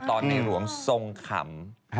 ตอนในหลวงทรงคำ